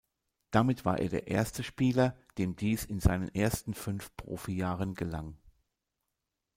Damit war er der erste Spieler, dem dies in seinen ersten fünf Profijahren gelang.